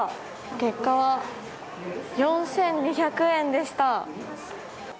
結果は４２００円でした。